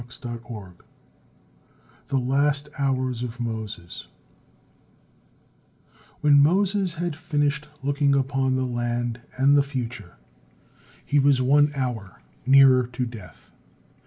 THE LAST HOURS OF MOSES When Moses had finished looking upon the land and the future, he was one hour nearer to death.